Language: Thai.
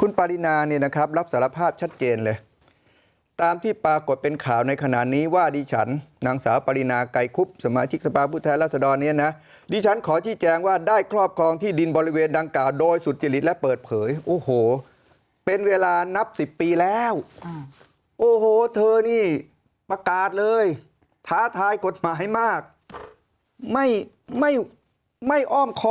คุณปรินาเนี่ยนะครับรับสารภาพชัดเจนเลยตามที่ปรากฏเป็นข่าวในขณะนี้ว่าดิฉันนางสาวปรินาไกรคุบสมาชิกสภาพผู้แทนรัศดรเนี่ยนะดิฉันขอชี้แจงว่าได้ครอบครองที่ดินบริเวณดังกล่าวโดยสุจริตและเปิดเผยโอ้โหเป็นเวลานับสิบปีแล้วโอ้โหเธอนี่ประกาศเลยท้าทายกฎหมายมากไม่ไม่อ้อมคอ